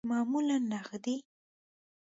معمولاً نغدی